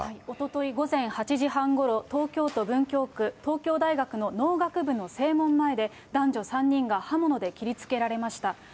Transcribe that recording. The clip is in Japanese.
おととい午前８時半ごろ、東京都文京区、東京大学の農学部の正門前で、男女３人が刃物で切りつけられました。